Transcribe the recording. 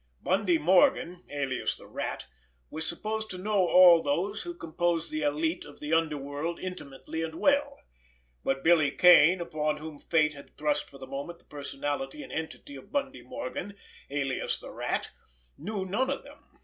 Bundy Morgan, alias the Rat, was supposed to know all those who composed the élite of the underworld intimately and well—but Billy Kane upon whom fate had thrust for the moment the personality and entity of Bundy Morgan, alias the Rat, knew none of them.